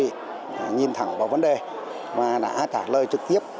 bộ trưởng đã thông thẳng vào vấn đề và đã trả lời trực tiếp